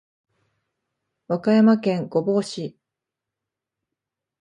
和歌山県御坊市